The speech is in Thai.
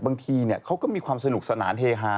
บางทีเขาก็มีความสนุกสนานเฮฮา